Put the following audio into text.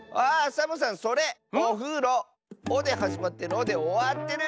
「お」ではじまって「ろ」でおわってる！